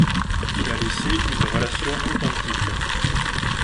Il a laissé une relation authentique.